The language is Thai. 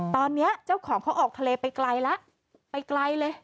ตอนนี้เจ้าของเขาออกทะเลไปไกลแล้วไปไกลเลย